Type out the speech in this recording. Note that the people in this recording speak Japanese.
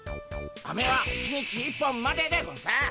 アメは一日一本まででゴンス。